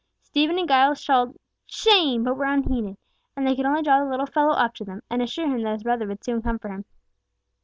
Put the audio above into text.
Stephen and Giles called "Shame!" but were unheeded, and they could only draw the little fellow up to them, and assure him that his brother would soon come for him.